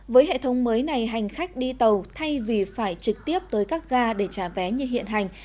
với hệ thống mới này hành khách đi tàu thay vì phải trực tiếp tới các ga để trả vé như hiện hành